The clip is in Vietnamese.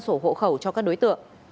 sổ hộ khẩu cho các đối tượng